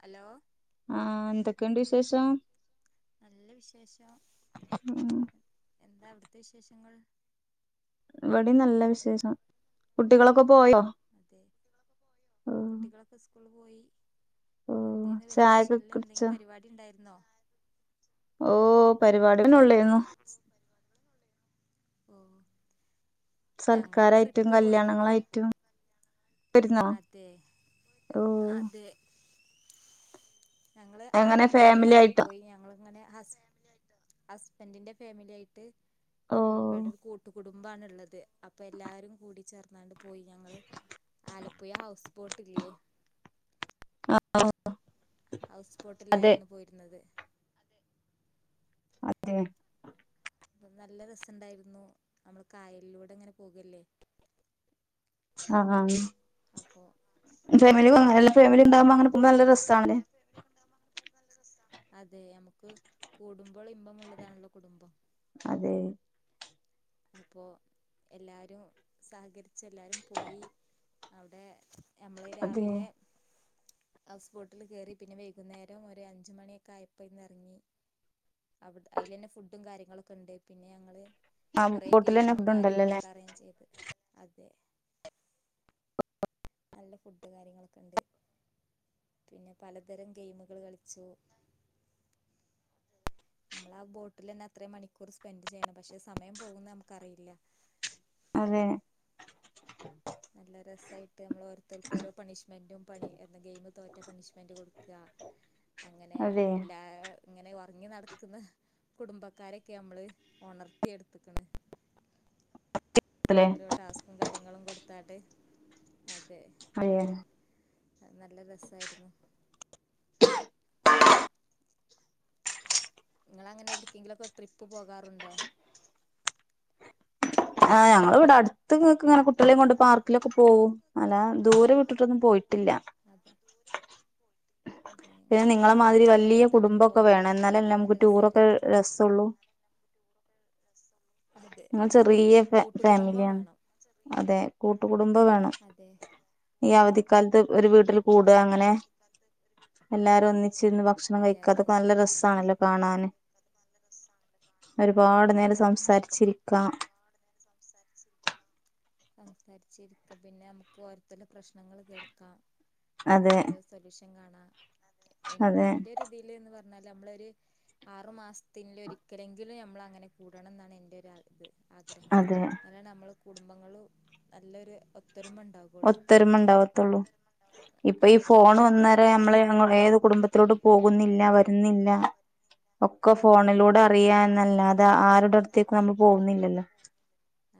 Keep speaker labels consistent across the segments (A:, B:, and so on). A: Hello
B: ആഹ് എന്തൊക്കെയുണ്ട് വിശേഷം?
A: നല്ല വിശേഷം
B: ഉം
A: എന്താ അവിട് ത്തെ വിശേഷങ്ങള്
B: ഇവിടെ നല്ല വിശേഷം. കുട്ടികളൊക്കെ പോയോ?
A: അതെ കുട്ടികളൊക്കെ സ് കൂള് പോയി
B: ഓ
A: എന്തേന്ന്
B: ചായൊക്കെ
A: വെക്കേഷനില്
B: കുടിച്ചോ
A: എന്തെങ്കിലും പരിപാടി ഇണ്ടായിരുന്നോ
B: ഓ പരിപാടി ഉള്ളേരുന്നു
A: ഓ ഞങ്ങള്
B: സൽക്കാരായിട്ടും
A: ട്രിപ്പ് പോയിരുന്നു
B: കല്യാണങ്ങളായിട്ടും [unintelligible]
A: അതെ
B: ഓ
A: അതെ ഞങ്ങള്
B: എങ്ങനെ
A: ആലപ്പുഴ
B: ഫാമിലി ആയിട്ടോ
A: പോയി ഞങ്ങളിങ്ങനെ ഹസ്ബൻറ്റിന്റെ ഫാമിലി ആയിട്ട്
B: ഓ
A: അവടെരു കൂട്ടു കുടുംബാണുള്ളത് അപ്പൊ എല്ലാരും കൂടി ചേർന്നാണ്ട് പോയി ഞങ്ങള് ആലപ്പുയ ഹൗസ് ബോട്ട് ഇല്ലേ
B: [unintelligible]
A: ഹൗസ്
B: അതെ
A: ബോട്ടിലായിരുന്നു പോയിരുന്നത്
B: അതെ
A: അപ്പ നല്ല രസംണ്ടായിരുന്നു നമ്മള് കായലിലൂടെ അങ്ങനെ പോകല്ലേ
B: ആഹാ
A: അപ്പോ ഫുഡും
B: ഫാമിലില്ല ഫാമിലി
A: കാര്യങ്ങളൊക്കെ
B: ഉണ്ടാവുമ്പോ
A: അവിടെ
B: അങ്ങനെ
A: തന്നെ
B: പോകുമ്പ നല്ല
A: ഉണ്ടാകും
B: രസാവുലെ
A: അതെ നമുക്ക് കൂടുമ്പോൾ ഇമ്പം ഉള്ളതാണല്ലോ കുടുംബം
B: അതെ
A: അപ്പോ എല്ലാരും സഹകരിച്ചെല്ലാരും പോയി അവിടെ ഞമ്മള്
B: അതെ
A: രാവിലെ ഹൗസ് ബോട്ടില് കേറി പിന്നെ വൈകുന്നേരം ഒരു അഞ്ച് മണിയൊക്കെ ആയപ്പോ ഇന്ന് എറങ്ങി അവി അയിലന്നെ ഫുഡും കാര്യങ്ങളൊക്കെ ഉണ്ട് പിന്നെ ഞങ്ങള്
B: ആ
A: കുറേ
B: ബോട്ടിൽ തന്നെ
A: ഗെയിമും
B: ഫുഡ് ഉണ്ടല്ലോല്ലേ
A: കാര്യങ്ങളൊക്കെ അറേഞ്ച് ചെയ്ത് അതെ നല്ല ഫുഡ് കാര്യങ്ങളൊക്കെ ഒണ്ട് പിന്നെ പലതരം ഗെയിമുകൾ കളിച്ചു നമ്മളാ ബോട്ടിലന്നെ അത്രയും മണിക്കൂർ സ്പെൻഡ് ചെയ്യണം പക്ഷെ സമയം പോകുന്ന നമുക്കറിയില്ല
B: അതെ
A: നല്ല രസായി ട്ട് നമ്മള് ഒരോത്തർക്ക് ഓരോ പണിശ്മെൻ്റും പണി എന്ന ഗെയിം തോ റ്റ പനിഷ്മെൻറ്റ് കൊടു ക അങ്ങനെ
B: അതെ
A: എല്ലാ ഇങ്ങനെ ഒറങ്ങി നടക്കുന്ന കുടുംബക്കാരൊക്കെ ഞമ്മള് ഒണർത്തി എടുത്ത്ക്ക്ണ്
B: അതെ
A: ഓരോ ടാസ്കും കാര്യങ്ങളും കൊ താട്ട് അതെ
B: അതെ
A: നല്ല രസായിരുന്നു നിങ്ങള അങ്ങനെ എവിടക്കെങ്കിലുംക്കെ ട്രിപ്പ് പോകാറുണ്ടോ
B: ആ ഞങ്ങൾ ഇവിടെ അടുത്ത് ഇങ്ങനെ കുട്ടികളെയും കൊണ്ട് പാർക്കിലൊക്കെ പോവും അല്ല ദൂരെ വിട്ടിട്ടൊന്നും പോയി പിന്നെ
A: അതെ ഇങ്ങ
B: നിങ്ങളെ മാതിരി
A: കുടുംബക്കാരൊക്കെ
B: വലിയ
A: ഒത്ത് അങ്ങനെ
B: കുടുംബമൊക്കെ വേണം
A: പോയാല്
B: എന്നാല
A: നല്ല
B: നമുക്ക് ടൂറൊക്കെ
A: രസായിരിക്കും
B: രസള്ളൂ
A: അതെ
B: ഞങ്ങൾ ചെറിയ
A: കൂട്ടുകുടുംബം
B: ഫാമിലിയാണ്
A: വേണം
B: അതെ കൂട്ടുകുടുംബം വേണം
A: അതെ
B: ഈ അവ ദിക്കാലത്ത് ഒരു വീട്ടിൽ കൂടുക
A: ആണ്
B: അങ്ങനെ
A: അതെ
B: എല്ലാരും ഒന്നി ച്ചിരുന്ന് ഭക്ഷണം കഴിക്കുക
A: അതെ അതെ
B: അതൊക്കെ നല്ല രസാണല്ലോ കാണാന് ഒരുപാട്
A: അതെ
B: നേരം സംസാരിച്ചിരിക്കാം
A: സംസാരിച്ചിരിക്ക പിന്നെ നമുക്ക് ഓരോത്ത പ്രശ്നങ്ങൾ കേൾക്കാം അതിന്
B: അതെ
A: ഓരോ സൊല്യൂഷൻ കാണാം എനിക്ക്
B: അതെ
A: എന്റെ ഒരുതില് എന്ന് പറ നമ്മള് ഒരു ആറു മാസത്തിൽ ഒരിക്കലെങ്കിലും നമ്മൾ അങ്ങനെ കൂടണം എന്നാണ് എന്റെ ഒരാ ഇത്
B: അതെ
A: അല്ല നമ്മള് കുടുംബങ്ങളും നല്ലൊരു ഒത്തൊരുമ ഉണ്ടാകുള്ളൂ
B: ഒത്തരുമ ഉണ്ടാവത്തുള്ളൂ ഇപ്പൊ ഈ
A: അതെ
B: ഫോൺ
A: ഇപ്പൊ
B: വന്നേര നമ്മള് ഏത് കുടുംബത്തിലോട്ട് പോകുന്നില്ല വരുന്നില്ല ഒക്കെ
A: അതെ
B: ഫോണിലൂടെ അറിയാ എന്നല്ലാതെ ആരുടെ അടുത്തേ നമ്മൾ പോകുന്നില്ലല്ലോ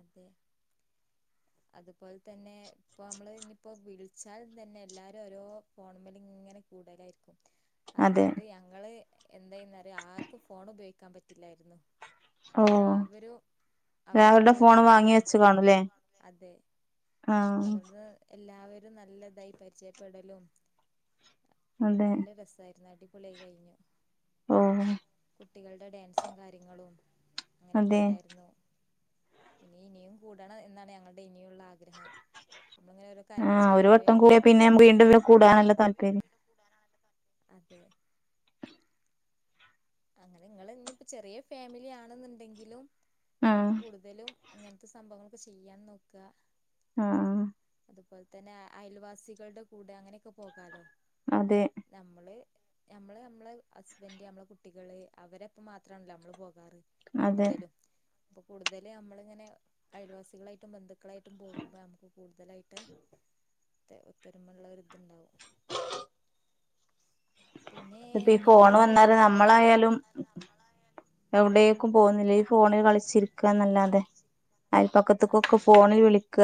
A: അതെ അതുപോലെ തന്നെ ഇപ്പൊ നമ്മള് ഇനിയിപ്പോ വിളിച്ചാൽ തന്നെ എല്ലാരും ഓരോ ഫോൺമേലെ ഇങ്ങനെ കൂടുതലായിരിക്കും
B: അതെ
A: അതുകൊണ്ട് ഞങ്ങള് എന്താന്നറിയാവോ ആർക്കും ഫോൺ ഉപയോഗിക്കാൻ പറ്റില്ലായിരുന്നു എല്ലാവരും അവി
B: അവരുടെ ഫോൺ വാങ്ങി വെച്ച് കാണൂല്ലേ
A: അതെ
B: ആ
A: അതുകൊണ്ട് എല്ലാവരും നല്ലതായി പരിചയപ്പെടലും
B: അതെ
A: നല്ല രസായിരുന്നു അടി കുളിയൊക്കെ കഴിഞ്ഞോ
B: ആ
A: കുട്ടികളുടെ ഡാൻസും കാര്യങ്ങളും അങ്ങനെയൊക്കെ
B: അതെ
A: ഉണ്ടായിരുന്നു ഇനി ഇനിയും കൂടണം എന്നാണ് ഞങ്ങളുടെ ഇനിയും
B: ആ ഒരു വട്ടം കൂടിയ
A: ചെയ്യുമ്പോഴാണല്ലോ
B: പിന്നെ വീണ്ടും കൂടാനല്ല താല്പര്യം
A: അതെ അങ്ങനെ ഇങ്ങള് ഇഞ്ഞിപ്പ ചെറിയ ഫാമിലി ആണെന്നുണ്ടെങ്കിലും [unintelligible] ങ്ങള്
B: ആഹ്
A: കൂടുതലും ഇങ്ങനത്തെ സംഭവങ്ങളൊക്കെ ചെയ്യാൻ നോക്ക [unintelligible]
B: ആഹ്
A: അതു പോലെ തന്നെ ആ അയൽവാസികൾടെ കൂടെ അങ്ങനെയൊക്കെ പോകാലോ
B: അതെ
A: [unintelligible] നമ്മള് ഞമ്മള് ഞമ്മളെ ഹസ്ബന്റ് ഞമ്മളെ കു [unintelligible] കുട്ടികള് അവരെപ്പം മാത്രണല്ലോ അമ്മള് പോ [unintelligible] കാറ്
B: അതെ
A: കൂടുതലും അപ്പൊ കൂടുതല് അമ്മളിങ്ങനെ അയിൽവാസികളായിട്ടും ബന്ധുക്കളായിട്ടും പോകുമ്പോ അമുക്ക് കൂടുതലായിട്ട് ഒത്തൊരുമ ഉള്ള ഒരിത് ഇണ്ടാവും [unintelligible] പിന്നെ
B: ഇപ്പ ഈ
A: നമ്മള്
B: ഫോണ്
A: കൊറ
B: വന്നരെ
A: കൊറേ
B: നമ്മളായാലും എവിടെ ക്കും പോകുന്നില്ല ഈ ഫോണില് കളിച്ചിരിക്കാ നല്ലാതെ അയൽ പക്കത്തുക്കോക്കൊ
A: അതെ
B: ഫോണിൽ വിളിക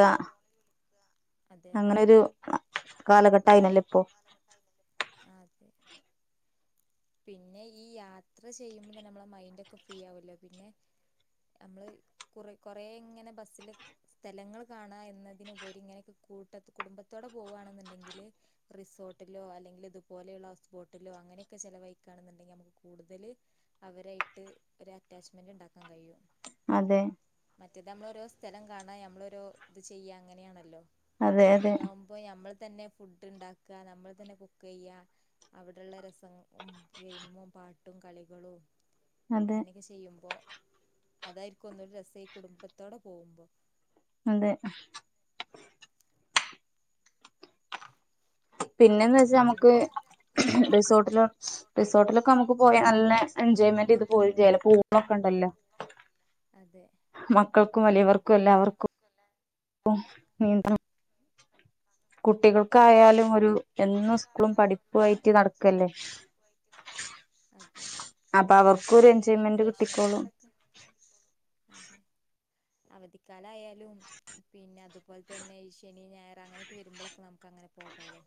A: അതെ അതെ
B: അങ്ങനെരു കാലഘ കൈനല്ല ഇപ്പോ
A: ആതെ പിന്നെ ഈ യാത്ര ചെയ്യുമ്പം തന്നെ നമ്മള് മൈന്റോക്കെ ഫ്രീ ആവല്ലോ പിന്നെ നമ്മള് കുറ കൊറ ഇങ്ങനെ ബസില് സ്ഥലങ്ങള് കാണാ എന്നതിനുപരി ഇങ്ങനെയക്കെ കൂട്ട കുടുംബത്തോടെ പോവുകവാണെന്നുണ്ടെങ്കില് റിസോ ബട്ടിലോ അല്ലെങ്കിൽ ഇതുപോലെയുള്ള ഹൗസ് ബോട്ടിലോ അങ്ങനെയൊക്കെ ചെലവഴിക്കാണെന്നുണ്ടങ്കിൽ നമുക്ക് കൂടുതൽ അവരായിട്ട് ഒരു അറ്റാച്ച്മെന്റ് ഇണ്ടാക്കാൻ കഴിയും
B: അതെ
A: മറ്റേത് അമ്മൾ ഓരോ സ്ഥലം കാണാ നമ്മളോരോ ഇത് ചെയ്യ അങ്ങനെയാണല്ലോ
B: അതെ അതെ
A: ഇതാവുമ്പോ നമ്മള് തന്നെ ഫുഡ് ഇണ്ടാക്ക നമ്മൾ [unintelligible] തന്നെ കുക്ക് ചെയ്യാ അവിടെള്ള രസം ഉം ഗെയിമും പാട്ടും കളികളും
B: അതെ
A: അയിനെക്കെ ചെയ്യുമ്പോ [unintelligible] അതായിരിക്കും ഒന്നൂടി രസെ കുടുംബത്തോടെ പോകുമ്പോ
B: അതെ പിന്നെന്ന് വെച്ചാ അമ്മക്ക് റിസോർട്ടിലോ റിസോർട്ടിലൊക്കെ അമ്മക്ക് പോയ നല്ല എൻജോയ്മെന്റ് ചെയ്ത് [unintelligible] പോവൊക്കെ ഉണ്ടല്ലോ
A: അതെ
B: മക്കക്കും വലിയവർക്കും എല്ലാവർക്കും [unintelligible]
A: അതെ
B: കുട്ടികൾക്കായാലും ഒരു എന്നും സ്കൂളും പഠിപ്പുവായിട്ടും നടക്കല്ലേ
A: അതെ
B: അപ്പൊ അവർക്കും ഒരു
A: ഇപ്പൊ ഈ
B: എൻജോയ്മെന്റ് കിട്ടിക്കോളും
A: വെക്കേഷനുകളിലൊക്കെ അതെ അവധിക്കാല ആയാലും പിന്നെ അതുപോൽ തന്നെ ഈ ശനി ഞായർ അങ്ങനെക്കെ വരുമ്പോളോക്കെ അങ്ങൻ ക്ക അങ്ങനെ പോകാലോ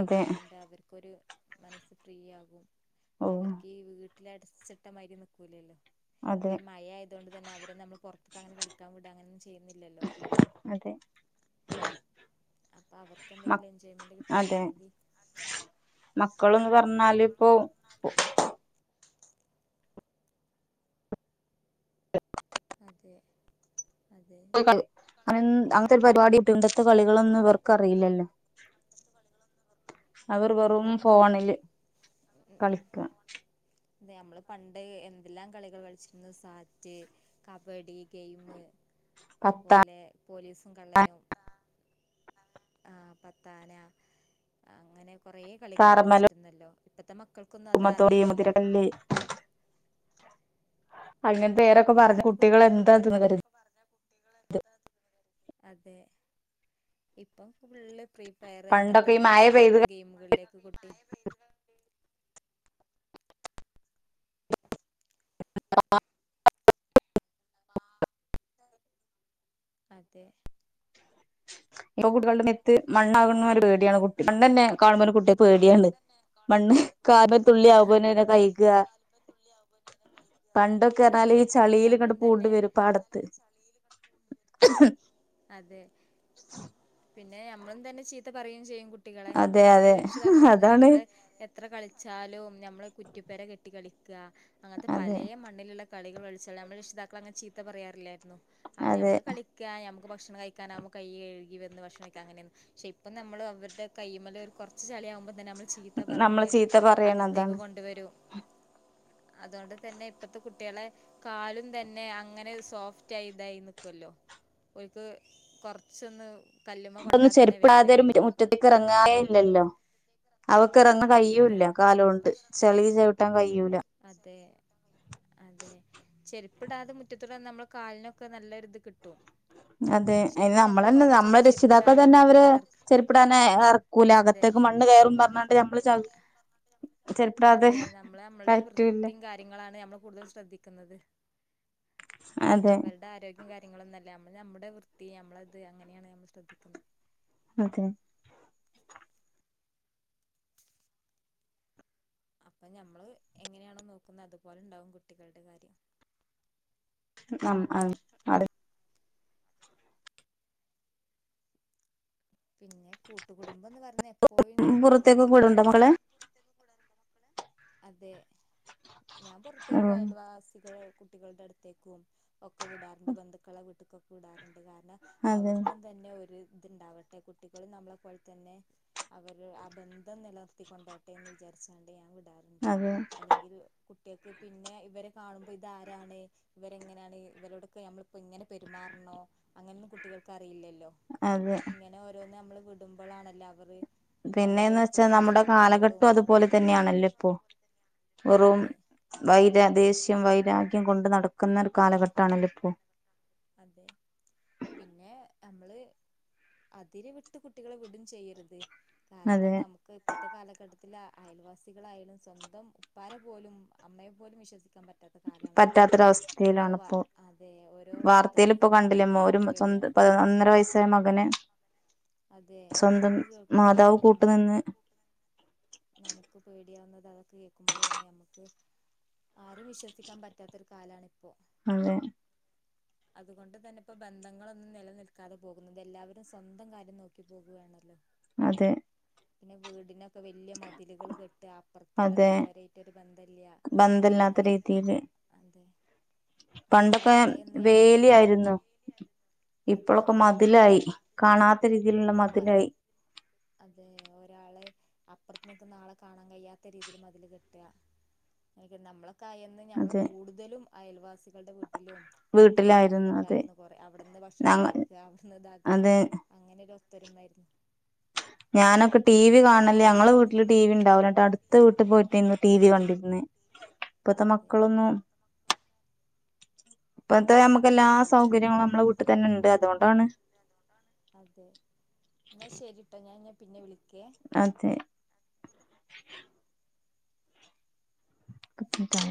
B: അതെ
A: കൊണ്ട് അവർക്കൊരു മനസ്സ് ഫീയാകും
B: ഓ
A: [unintelligible] അവർക്ക് ഈ വീ [unintelligible] വീട്ടിലടച്ചിട്ടമാരി നൽക്കൂലല്ലോ ഇപ്പൊ
B: അതെ
A: ഈ മഴ ആയ അതോണ്ട് തന്നെ അവരെ നമ്മൾ പുറത്തൊക്ക അങ്ങെനെ കളിക്കാ വിടുക അങ്ങനൊന്നും ചെയ്യുന്നില്ലല്ലോ
B: അതെ
A: അപ്പൊ അവർക്ക്
B: മ
A: എന്തെങ്കിലും എൻജോയ്മെന്റ് കിട്ടണം
B: അതെ
A: എന്നുണ്ടെങ്കി
B: ഓ
A: അതെ അതെ
B: അങ്ങനെ അങ്ങനത്തെ ഒരു പരിപാടി കിട്ടും ഇണ്ടത്തെ കളികളൊന്നും ഇവർക്കറിയില്ലല്ലോ അവർ വെറും
A: അതെ
B: ഫോണില് കളിക്കാം
A: അതേ നമ്മള് പണ്ട് എന്തെല്ലാം കളികൾ കളിച്ചിരുന്നു സാറ്റ് കബഡി ഗെയിമ്
B: പത്താ
A: അതുപോലെ പോലീസും കള്ളനും ആ പത്താന അങ്ങനെ കുറെേ കളികൾ
B: താറമല
A: കളിച്ചിരുന്നല്ലോ ഇത്ത മക്കൾക്കൊന്നും അത്
B: കുമ്മത്തോടി
A: അറിയുന്നില്ല
B: മുതിരക്കല്ല് അങ്ങനെ പേരൊക്കെ പറഞ്ഞ
A: ഇപ്പത്തെ
B: കുട്ടികൾ
A: കുട്ടികൾക്ക്
B: എന്താ തിന്ന
A: വെറും
B: കരുത് ത്
A: അതെ ഇപ്പം ഫ്രീ ഫയർ അങ്ങനത്തെ
B: പണ്ടൊക്കെ ഈ മഴ പെയ്ത്
A: പോലത്തെ ഗെയിമുകളിലേക്ക് കുട്ടി
B: [inaudible]
A: അതെ
B: ഇപ്പൊ കുട്ടികളുടെ മെത്ത് മണ്ണാകുന്ന ഒരു പേടിയാണ് മണ്ണ് തന്നെ കാണുമ്പോ ഒരു കുട്ടി പേടിയാണ് മണ്ണ് കാലേ തുള്ളി ആകുമ്പോ
A: അതെ
B: തന്നെ കഴിക്കുക പണ്ടൊക്കെ പറഞ്ഞാല്
A: അതെ
B: ഈ
A: പിന്നെ
B: ചളീൽ ഇങ്ങട്ട്
A: ഞമ്മളും തന്നെ
B: പൂണ്ട് വരും പാടത്ത്
A: അതെ പിന്നെ നമ്മളും തന്നെ ചീത്ത പറയുകയും ചെയ്യും കുട്ടികളെ
B: അതെ
A: ഞമ്മള്
B: അതെ
A: രക്ഷിതാക്കളൊന്ന്
B: അതാണ്
A: ഞമ്മള് എത്ര കളിച്ചാലും നമ്മളെ കുറ്റിപ്പേരെ കെട്ടിക്കളി അങ്ങനത്തെ
B: അതെ
A: പലേ മണ്ണിലുള്ള കളികൾകളിച്ചാ നമ്മള രക്ഷിതാക്കളങ്ങനെ ചീത്ത പറയാറില്ലായിരുന്നു
B: അതെ
A: ഞമ്മള് കളിക്കാ ഞമക്ക് ഭക്ഷണം കഴികാനാവുമ്പോ കൈ കഴുകി വന്ന് ഭക്ഷണം കഴിക്കാ അങ്ങനെ പക്ഷെ ഇപ്പം നമ്മള് അവരുടെ കൈയിമ്മല് കുറച്ച് ചെളിയകുമ്പോ നമ്മൾ ചീത്ത
B: നമ്മളെ
A: പറഞ്ഞ്
B: ചീത്ത പറയണ
A: അകത്തേക്ക്
B: അതാണ്
A: കൊണ്ടുവരും അതുകൊണ്ട് തന്നെ ഇപ്പത്തെ കുട്ടികളെ കാലും തന്നെ അങ്ങനെ സോഫ്റ്റ് ആയി ഇതായി നിക്കുവല്ലോ ഒക്ക് കൊറച്ചൊന്ന് കല്ലുമ്മ കൊണ്ടാ
B: ഇപ്പോന്നും
A: തന്നെ
B: ചെരുപ്പ് ഇടാതെ ഒരു
A: വേദനായിരിക്കും
B: മുറ്റത്തേക്ക് ഇറങ്ങാറേല്ലല്ലോ അവ- കിറന്ന്
A: ഇല്ല
B: കഴിയൂല്ലാ കാലോണ്ട്
A: പക്ഷെ
B: ചളി ചവിട്ടാൻ കഴിയൂലാ
A: അതെ അതെ ചെരിപ്പ്ഇടാതെ മുറ്റത്തുടെ നമ്മുടെ കാലിനൊക്കെ നല്ലൊരിത് കിട്ടും
B: അതെ അത്
A: ശരിക്കും
B: നമ്മള
A: ഞമ്മള്
B: തന്നെ
A: കൊറച്ചൊക്കെ
B: നമ്മളെ രക്ഷിതാക്കൾ
A: ചെരുപ്പിടാതെ
B: തന്നെ അവരെ
A: മുറ്റത്ത് നടക്ക
B: ചെരിപ്പിടാതെഇറക്കൂലേ
A: അതെ
B: അകത്തേക്ക് മണ് കയറും പറഞ്ഞണ്ട് നമ്മള് [unintelligible]
A: അതെ നമ്മള് നമ്മളുടെ
B: കയറ്റൂല്ല
A: വൃത്തിയും കാര്യങ്ങളാണ് നമ്മള് കൂടുതൽ ശ്രദ്ധിക്കുന്നത്
B: അതെ
A: അവരുടെ ആരോഗ്യം കാര്യങ്ങളൊന്നുംല്ല നമ്മള് നമ്മുടെ വൃത്തി നമ്മളത് അങ്ങനെയാണ് നമ്മൾ ശ്രദ്ധിക്കുന്നത്
B: അതെ
A: അപ്പൊ ഞമ്മള് എങ്ങനെയാണോ നോക്കുന്നത് അതുപോലെ ഉണ്ടാവും കുട്ടികളുടെ കാര്യം
B: ആ അ അ
A: പിന്നെ കൂട്ടുകുടുംബംന്ന് പറഞ-
B: പുറത്തേക് വിടണ്ടെ മകളെ
A: അതെ ഞാൻ പുറത്തേക്ക്
B: ഉം
A: അയൽവാസികള് കുട്ടികളുടെ അടുത്തേക്കും ഒക്കെ വിടാറുണ്ട് ബന്ധുക്കള വീട്ട്ക് വിടാറുണ്ട് അത് കാരണം
B: അതെ
A: അവർക്കും തന്നെ ഒരു ഇത്ണ്ടാവട്ടെ കുട്ടികളും നമ്മളെപ്പോലെ തന്നെ അവരു അബന്ധം നിലർത്തിക്കൊണ്ടോട്ടെ എന്ന് വിചാരിച്ചുകണ്ട് ഞാൻ വിടാർ
B: അതെ
A: അല്ലെങ്കിൽ കുട്ടികൾക്ക് പിന്നെ ഇവരെ കാണുമ്പോ ഇതാരാണ് ഇവരെങ്ങനെയാണ് ഇവരോടൊക്കെ നമ്മളിപ്പോ ഇങ്ങനെ പെരുമാറണോ അങ്ങനെ കുട്ടികൾക്ക് അറി അറിയില്ലലോ
B: അതെ
A: ഇങ്ങനെ ഒരോന്ന് വിടുമ്പോൾ ആണല്ലോ അവർ
B: പിന്നെയന്ന് വെച്ചാ നമ്മുടെ കാലഘട്ടം അതുപോലെ തന്നെയാണല്ലോ ഇപ്പോ [inaudible] വെറും
A: അതെ
B: വെയ് രാ ദേഷ്യം ശ്യം വൈരാഗ്യം കൊണ്ട് നടക്കുന്ന ഒരു കാലഘട്ടമാണല്ലോ ഇപ്പോൾ
A: അതെ പിന്നെ നമ്മള് അതിര് വിട്ട് കുട്ടികളെ വിടും ചെയ്യരുത് കാരണം
B: അതെ
A: നമുക്ക് ഇപ്പത്തെ കാലഘട്ടത്തില അയൽവാസികളായാലും സ്വന്തം ഉപ്പാരെ പോലും അമ്മയെ പോലും വിശ്വസിക്കാൻ പറ്റാത പറ്റ തകാലം അണല്ലോ ഇപ്പോ ഓരോ
B: പറ്റാത്തൊരവസ്ഥയിലാണിപ്പോ
A: വർ ഓരോ വാർത്ത
B: വാർത്ത ലെ ഇപ്പോകണ്ടില്ലേ ഒരു സ്വന്തം ഒന്നര വയസ്സായ മകനെ
A: അതെ
B: സ്വന്തം
A: അതൊക്കെ
B: മാതാവ്
A: കേൾക്കുമ്പോയാണ് നമുക്ക്
B: കൂട്ടുനിന്ന്
A: നമുക്ക് പേടിയാവ്ന്നത് അതൊക്കെ കേക്കുമ്പയാണ് നമ്മുക്ക് ആരേം വിശ്വസിക്കാൻ പറ്റാത്തൊരു കാലാണിപ്പൊ
B: അതെ
A: അതുകൊണ്ട് തന്നെപ്പോ ബന്ധങ്ങളൊന്നു നിലനിൽക്കാതെ പോകുന്നു എല്ലാവരും സ്വന്തം കാര്യം നോക്കി പോകുവാണല്ലോ
B: അതെ
A: പിന്നെ വീടിനൊക്കെ വേ വെല്യ മതിലുകള് കെട്ടാ അപ്പറത്ത്ള്ള
B: അതെ
A: വീട്ടാരായിട്ടൊരു ബന്ധല്ല്യാ
B: ബന്ധല്ലാത്ത
A: അങ്ങനെക്കെ
B: രീതിയില്
A: അതെ
B: പണ്ടൊക്കെ
A: നമ്മളൊക്കെ ആയെന്ന്
B: വേലിയായിരുന്നു
A: അതെ
B: ഇപ്പോഴൊക്കെ
A: അതെ
B: മതിലായി കാണാത്ത രീതിയിലുള്ള
A: അതെ
B: മതിലായി
A: അതെ ഒരാളെ അപ്പ്റത്ത് നിക്കുന്ന ആളെ കാണാൻ കയിയാത്ത രീതില് മതില് കെട്ട്കാ ഏയ്ക് നമ്മള് കായെന്നും ഞമ്മള്
B: അതെ
A: കൂടുതലും അയൽവാസികൾടെ വീട്ടിലും ബന്ധുക്കളെ
B: വീട്ടിലായിരുന്നു
A: വീട്ടിലൊക്കെ
B: അതെ
A: ആയിരുന്നു കൊറെ അവിട്ന്ന് ഭക്ഷണം
B: ഞങ്ങ
A: കഴിക്കാ അവിടുന്ന്താക്കാ
B: അതെ
A: അങ്ങനൊരു തര്മായിരുന്ന്
B: ഞാനൊക്കെ ടീവി കാണല് ഞങ്ങളെ വീട്ടില് ടീവീണ്ടാവല്ട്ടാ അടുത്ത വീട്ടി പോയിട്ടാരുന്നു ടീവി കണ്ടിരുന്നെ ഇപ്പത്തെ
A: അതെ
B: മക്കളൊന്നും ഇപ്പത്തെഅമക് എല്ലാ
A: അങ്ങനെയാണല്ലോ
B: സൗകര്യങ്ങളും മ്മ്ളെ വീട്ടിത്തന്നേണ്ട് അതുകൊണ്ടാണ്
A: അതെ ന്നാശെരിട്ടോ ഞാൻ ന്നാ പിന്നെ വിളി
B: അതെ കംപ്ലീറ്റായോ